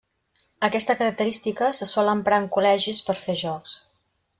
Aquesta característica se sol emprar en col·legis per fer jocs.